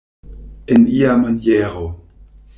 En ia maniero.